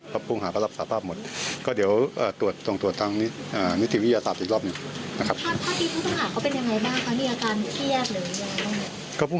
ชุดหัวเหลือก็เป็นแบบที่อยู่กัน